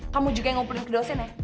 kamu juga yang ngumpulin ke dosen ya